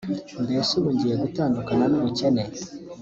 mbese ubu ubu ngiye gutandukana n’ubukene